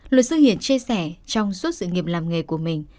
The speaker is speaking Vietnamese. luật sư hiển chia sẻ trong suốt sự nghiệp làm nghề của mình